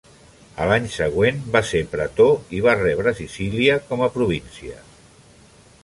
A l'any següent, el va ser pretor i va rebre Sicília com a província.